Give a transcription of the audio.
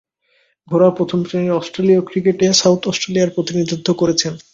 ঘরোয়া প্রথম-শ্রেণীর অস্ট্রেলীয় ক্রিকেটে সাউথ অস্ট্রেলিয়ার প্রতিনিধিত্ব করেছেন।